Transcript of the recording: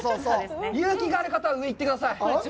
勇気である方は上、行ってください。